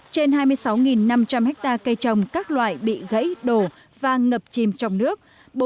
trên hai mươi sáu năm trăm linh hectare cây trồng các loại bị gãy đổ và ngập chìm trong nước